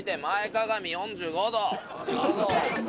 前かがみ４５度。